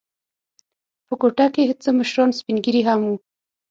په کوټه کې څه مشران سپین ږیري هم و.